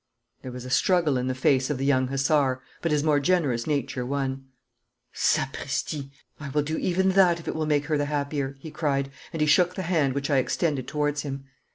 There was a struggle in the face of the young hussar, but his more generous nature won. 'Sapristi! I will do even that if it will make her the happier!' he cried, and he shook the hand which I extended towards him.